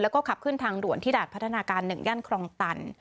แล้วก็ขับขึ้นทางด่วนที่ด่านพัฒนาการ๑ย่านคลองตัน